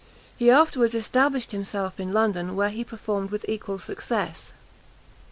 He afterwards established himself in London, where he performed with equal success.